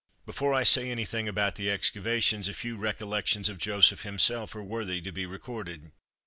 Before I say anything about the excavations, a few "Recollections" of Joseph himself are worthy to be recorded.